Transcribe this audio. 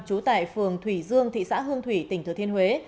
trú tại phường thủy dương thị xã hương thủy tỉnh thừa thiên huế